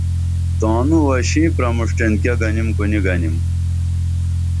تانوں وشیں پرموشٹین کیہ گنیم کو نی گنیم